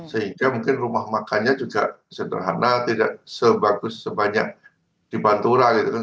sehingga mungkin rumah makannya juga sederhana tidak sebagus sebanyak di pantura gitu kan